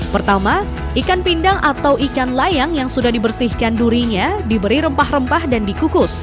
pertama ikan pindang atau ikan layang yang sudah dibersihkan durinya diberi rempah rempah dan dikukus